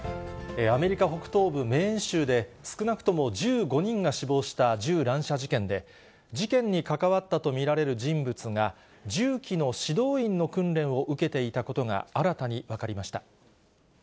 アメリカ北東部メーン州で、少なくとも１５人が死亡した銃乱射事件で、事件に関わったと見られる人物が、銃器の指導員の訓練を受けていたことが新たに分かりました。